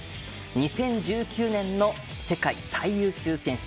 ２０１９年の世界最優秀選手。